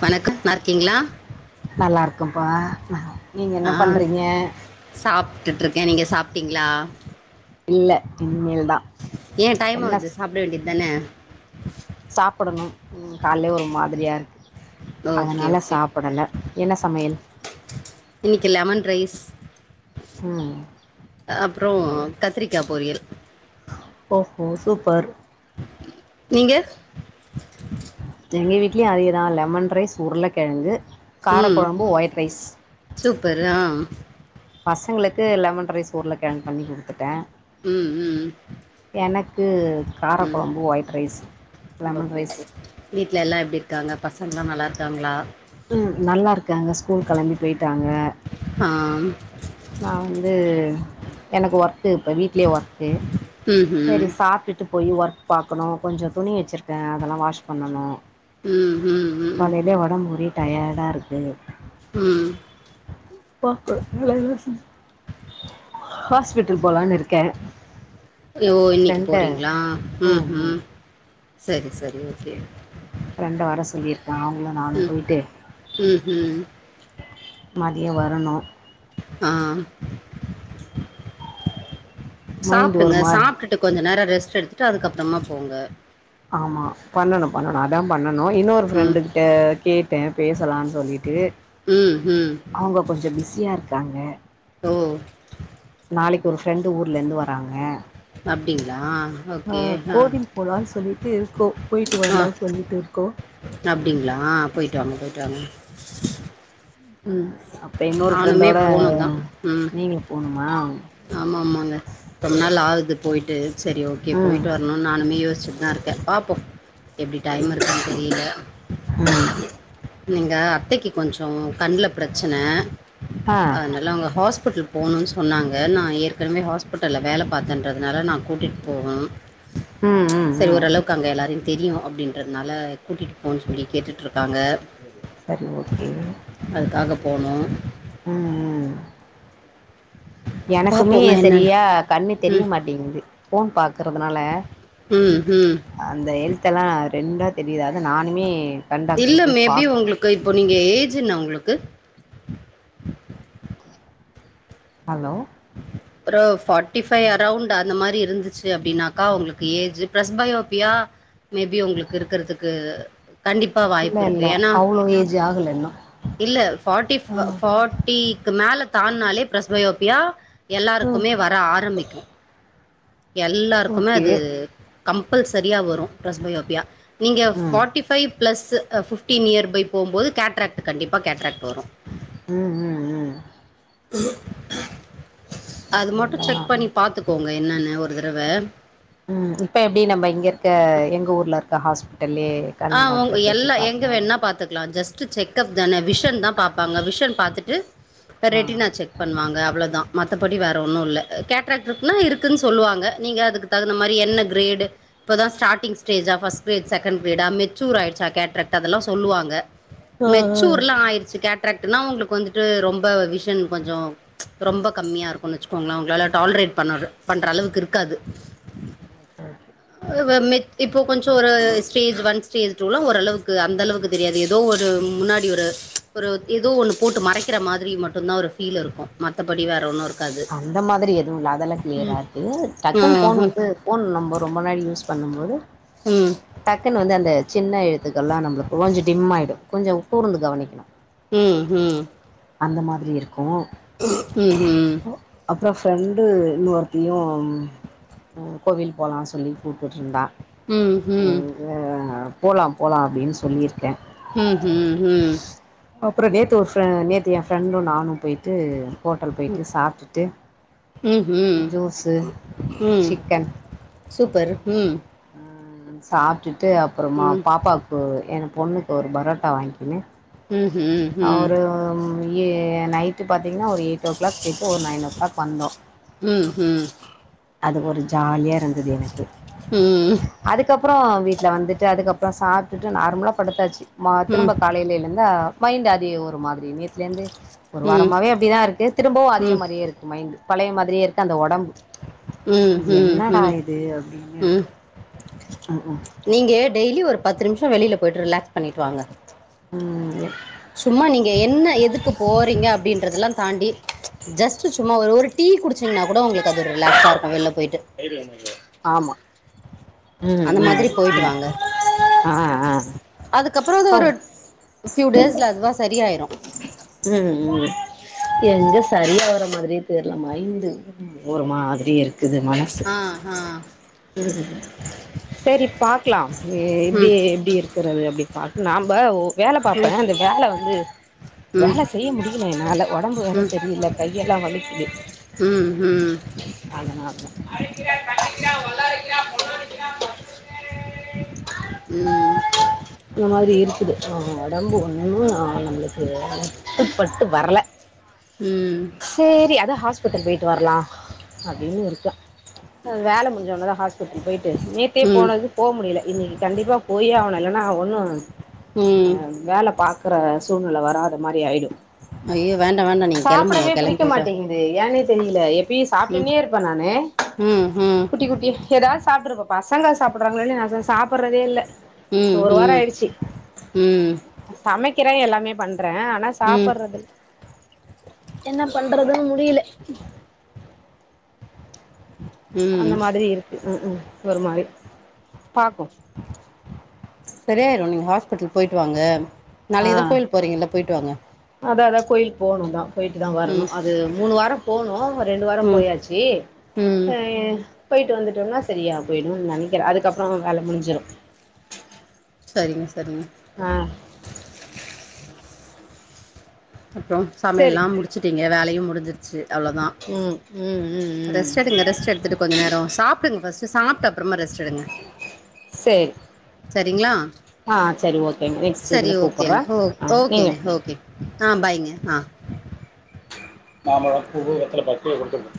வணக்கம் நல்லா இருக்கீங்களா நல்லா இருக்கம்பா நீங்க என்ன பண்றீங்க சாப்ட்டுட்டுருக்கே நீங்க சாப்ட்டீங்ளா இல்ல இனிமேல்தா ஏ டைம் ஆவுது சாப்பிட வேண்டித்தான சாப்புடணும் கால்யே ஒரு மாதிரியாருக்கு ஓகே அதனால சாப்படல என்ன சமையல் இன்னிக்கி லெமன் ரைஸ் ம் அப்புறோ சரி. கத்திரிக்கா பொரியல் ஓஹோ சூப்பர் நீங்க எங்க வீட்லியு அதேதா லெமன் ரைஸ் உருளைக்கெழங்கு ம் காரக்கொழம்பு ஒயிட் ரைஸ் சூப்பர் ஆஹ் பசங்களுக்கு லெமன் ரைஸ் ஊருள கெழங்கு பண்ணி குடுத்துட்டே ம் ம் எனக்கு கார ம் கொழம்பு white rice lemon okay rice okay வீட்ல எல்லா எப்டி இருக்காங்க பசங்ளா நல்லாருக்காங்ளா ம் நல்லா இருக்காங்க ஸ்கூல் கெளம்பி போயிட்டாங்க ஆ நா வந்து எனக்கு ஒர்க்கு இப்ப வீட்லே ஒர்க்கு செரி ம்ஹூம் சாப்ட்டுட்டு போய் ஒர்க் பார்கக்கணு கொஞ்சோ துணி வெச்சிருக்கே அதல்லா வாஷ் பண்ணணு ம் ம் ம் ம் காலையில உடம்பு ஒரே டயர்டா இருக்கு ம் பாக்கு [unintelligible] ஹாஸ்பிட்டல் போலான்னு இருக்கே ஐயோ இன்னிக்கி ஃப்ரெண்ட போறீங்களா ம்ஹு ம் சரி சரி ஓகே ரெண்டு விரோ சொல்லியிருக்கான்ல நானு ம் போயிட்டு ம்ஹூம் மதியோ வரணு ஆ மைண்ட் ஒரு சாப்டுங்க மாரி சாப்டுட் கொஞ்ச நேரோ ரெஸ்ட் எடுத்துட்டு அதுக்கப்பறமா போங்க ஆமா பண்ணணும் பண்ணணு அதா பண்ணணு இன்னொரு ம் ஃப்ரெண்டு கிட்ட கேட்டே பேசலான் சொல்லிட்டு ம் ம் அவுங்க கொஞ்சோ பிஸியாக இருக்காங்க ஓ நாளைக்கு ஒரு ஃப்ரெண்டு் ஊர்ல இருந்து வராங்க அப்டிங்ளா ஓகே இப்பதா சொல்லிட்டு இருக்கோ போயிட்டு வரலானு சொல்லிட்டு இருக்கோ அப்டிங்ளா போயிட்டு வாங்க போயிட்டு வாங்க ம் அப்ப இன்னொரு நானுமே ஃப்ரெண்டோட போணுந்தா ம் நீங்களு போணுமா ஆமா ஆமாங்க ரொம்ப நாள் ஆகுது போயிட்டு செரி ஓகே போயிட்டு வர ம் நானுமே யோசிச்சட்டு தா இருக்க பாப்போ எப்டி டைம் ம் இருக்ககான் தெரில ம் நீங்க அத்தைக்கு கொஞ்சோ கண்ல பிரச்சன ஆ அதனால அவுங்க ஹாஸ்பிட்டல் போகணு சொன்னாங் க நா ஏற்கனவே ஹாஸ்பிட்டல்ல வேல பார்த்தன்றதுனால நா கூட்டிட்டு போகுனு ம் ம் செரி ம் ஓரளவுக் கு அங்க எல்லாரையு தெரியு அப்டின்றதுனால கூட்டிட்டு போ சொல்லி கேட்டுட்டு இருக்காங்க செரி ஓகே அதுக்காக போனோ ம் ம் எனக்குமே பார்ப்போங்க என்னன்னு செரியா கண்ணு தெரிய ம் மாட்டிங்குது போன் பாக்குறதுனால ம் ம் அந்த எழுத்தெல்லா ரெண்டா தெரியுது அது நானுமே கண் டாக்டர் இல்ல போய் பா மேபி உங்களுக்கு இப்போ நீங்க ஏஜ் என்ன உங்களுக்கு ஹலோ ஒரு பார்டி ஃபைவ் அரௌண்ட் அந்த மாரி இருந்துச்சு அப்டின்னாக்கா உங்களுக்கு ஏஜ் ப்ஸ் பயோபியா மேபி உங்களுக்கு இருக்கிறதுக்கு கண்டிப் பா இல்ல வாய்ப்பு இருக்கு இல்ல ஏனா அவ்ளோ ஏஜ் ஆகல இன்னு இல்ல ஃபார்ட்டி ஆ ஃபாட் டிக்கு மேல தான்னாலே பிரஸ் பயோபியா ம் எல்லாருக்குமே வர ஆரம்பிக்கு எல்லாருக்குமே ஓகே அது கம்பல்சரியா வரு பிரஸ்பயோபியா நீங்க ம் forty five plus fifteen year பய் போம்போது கேட்ராக்ட் கண்டிப்பா கேட்ராக்ட் வரு ம் ம் ம் அது மட்டு அப்டிங்களா செக் பண்ணி பாத்துக்கோங்க என்னன்னு ஒரு தரவ ம் இப்ப எப்டி நம்ம இங்க இருக்க எங்க ஊர்ல இருக்க ஹாஸ் ஆ உங் எல்லா எங்க வேணா பாத்துக்கலா ஜஸ்ட் டு௱செக்ப் தான விஷன் தா பாப்பாங்க விஷன் பார்த்துட்டு ஆ ரெடினா செக் பண்ணுவாங்க அவ்ளதா மத்தபடி வேற ஒன்னு இல்ல கேட்ராக்ட்டு இருக்குனா இருக்குன் சொல்லுவாங்க நீங்க அதுக்கு தகுந்த மாரி என்ன கிரேடு இப்பதா ஸார்ட்டிங் ஸ்டேஜா ஃபஸ்ட் டேஜ் செகண்ட் விடா மெச்சூர் ஆயிடுச்சு கேட்ராக்ட் அதெல்லா சொல்லுவாங்க ஆ ஆ மெச்சூர்லா ஆயிடுச்சு கேட் ராக்ட்டுனா உங்களுக்கு வந்துட்டு ரொம்ப விஷன் கொஞ்சோ ரொம்ப கம்மியா இருக்கு வச்சுக்கோங்ள உங்களால டால்ரேட் பண்ண பண்ற அளவுக்கு இருக்காது செரி ஓகே ஓகே அவ்வ மேக் இப்போ கொஞ்சோ ஒரு ஸ்டேஜ் ஒன் ஸ்டேஜ் டூ. லா ஓரளவுக்கு அந்த அளவுக்கு தெரியாது ஏதோ ஒரு முன்னாடி ஒரு ஒரு ஏதோ ஒன்னு போட்டு மறைக்கிற மாதிரி மட்டுதா ஒரு ஃபீல் இருக்கு மத்தபடி வேற ஒன்னு இருக்காது அந்த மாதிரி எதுவு இல்ல அதெல்லா ம் க்ளியரா ஆக்கு ம் டக்குன்ன போன் ம் வந்து போன் நம்ம ரொம்ப நாள் யூஸ் பண்ணும்போது ம் டக்குன்னு வந்து அந்த சின்ன எழுத்துக்கெல்லா நம்மளுக்கு கொஞ்ச டிம் ஆயிடு கொஞ்ச கூர்ந்து கவனிக்கணு ம் ம் அந்த மாதிரி இருக்கு ம் ம் அப்பறோ ஃப்ரெண்டு இன்ன ஒருத்தியு ம் கோவில் போலான் சொல்லி கூப்ட்டுட்ருந்தா ம் ம் [unintelligible] போலா போலா அப்டின்னு சொல்லிருக்கே அப்பறோ நேத்து ஒரு ஃப்பே நேத்து ஏ ஃப்ரெண்டு நானு போயிட்டு ஹோட்டல் போயிட்டு சாப்ட்டுட்டு ம்ஹும் ஜூஸு ம் சூப்பர் ம் ஆம் சாப்ட்டுட்டு அப்பறமா ம் பாப்பா ஓ எனக் பொண்ணுக்கு ஒரு பரோட்டா வாங்கிங்க ம் ம் ம் ம் ம் அவரும் ஏ நை டு பாத்தீங்கன்னா ஒரு எயிட் ஓ க்ளாக் போயிட்டு ஒரு நைன் ஓ க்ளாக் வந்த ம் ம் ம் ம் அது ஒரு ஜாலியா இருந்தது எனக்கு ம் அதுக்கப்பறோ வீட்ல வந்துட்டு அதுக்கப்பறோ சாப்ட்டுட்டு நார்மலா படுத்தாச்சு மா திரும்ப காலையில எழுந்தா மைண்ட் அதே ஒரு மாதிரி நேத்துலிருந்தே ஒரு வாரமாவே அப்படிதா இருக்கு திரும்பவு அதே மாரியே இருக்கு மைன்ட்டு பழைய மாரியே இருக்கு அந்த ஒடம்பு ம் என்னடா ம் இது அப்படின்னு இருக்கு ம் ம் நீங்கள் டெய்லியு ஒரு பத்து நிமிஷ வெளில போயிட்டு ரிலாக்ஸ் பண்ணிட்டு வாங்க ம் ஏ சும்மா நீங்க என்ன எதுக்கு போறீங்க அப்படின்றதெல்லா தாண்டி ஜஸ்ட் சும்மா ஒரு ஒரு டீ குடிச்சிங்ன்னா கூட உங்களுக்கு அது ஒரு ரிலாக்ஸா இருக்கு வெள்ல போயிட்டு ஆமா ம் ம் அந்த மாதிரி ம் போயிட்டு வாங்க ஆ ஆ பப் ஃப்யூ டேஸில அதுவா சரி ஆயிரு ம்ம் எங்க சரியாவற மாரியே தெரில மைண்டு ஒரு மாதிரி இருக்குது மனசு ஆ ஆ ம் சேரி பாக்லா இ எப்டி ம் எப்டி போறது அப்டி ப நாம்ப வேல பாப்ப ம் அந்த வேல வந்து ம் வேல செய்ய முடியல என்னால ஒடம்பு வேற ம் சரியில கையெல்லா வலிக்குது ம் ம் அதனாலதா ம் அந்த மாரி இருக்குது அ ஒடம்பு ஒன்னு அ நம்பளுக்கு கட்டுப்பட்டு வரல ம் சரி அதா ஹாஸ்பிட்டல் போயிட்டு வரலா அப்டின்னு இருக்க அ வேல முடிஞ்சோன தா ஹாஸ்பிட்டல் போய்ட்டு நேத்தே ம் போனது போ முடில இன்னக்கி கண்டிப்பா போயே ஆவனு இல்லன்னா ஒன்னு அ ம் வேல பார்க்க இருக்கற சூழ்நில வராத மாரி ஆயிடு அய்யோ வேண்டா வேண்டா நீங் சாப்புடவே புடிக்க மாட்டேங்குது ஏன்னே தெரில அப்டியே ம் சாப்டுன்னே இருப்ப நானு ம் ம் குட்டி குட்டி ஏதாவது சாப்புடுங்கப்பா பசங்க சாப்பிடடுறாங்களோ இல்லயோ நா சாப்பிடடுறதே இல்ல இப்போ ஒரு வாரம் ம் ஆயிடுச்சு ம் ம் சமைக்கிறே எல்லாமே பண்றே ஆனா ம் சாப்பர்றத்துல் என்ன பண்றதுன் முடியல ம் [inaudible] அந்த மாதிரி இருக்கு ம் ம் ஒரு மாரி பாப்போம் செரியாயிறு நீங்க ஹாஸ்பிட்டல் போயிட்டு வாங்க ஆ நாளைக்கு தா கோயில்க் போறீங்கள்ள போயிட்டு வாங்க அதா அதா கோயில் போணுந்தா போயிட்டு தா வரணு ம் அது மூணு வாரம் போணும் ரெண்டு வாரம் ம் போயாச்சு ஏ ம் அ பொயிட்டு வந்துட்டோனா சரியா போய்டுனு நெனக்கிற அதுக்கப்பறோ வேல முடிஞ்சிரும் சரிங்க சரிங்க ஆ அப்றம் சரி சமையல்லாம் முடிச்சுட்டீங்க வேலையூ முடிஞ்சிருச்சு அவ்ளோதா ம் ம் ம் ம் ரெஸ்ட் எடுங்க ரெஸ்ட் எடுத்துட்டு கொஞ்ச நேரோ சாப்டுங் ஃபஸ்டு சாப்டா அப்றமா ரெஸ்ட் எடுங்க சேரி சரிங்களா ஆ சரி ஓகே நெஸ்ட் சரி இதுல கூப்புட்ற ஓகேங்க ஓ ஆ நீங்க ஓகேங்க ஓகே ஆ பாய்ங்க ஆ மாம்பழொ பூவு வெத்தல பாக்கு ஒருத்தவுங்க